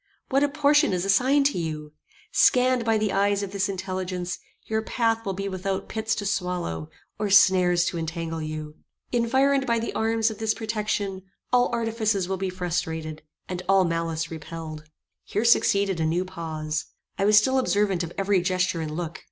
What a portion is assigned to you? Scanned by the eyes of this intelligence, your path will be without pits to swallow, or snares to entangle you. Environed by the arms of this protection, all artifices will be frustrated, and all malice repelled." Here succeeded a new pause. I was still observant of every gesture and look.